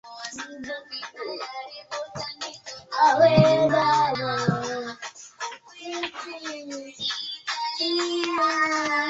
kupungua kwa utendaji kazini kupungua kwa mapato na uhalifu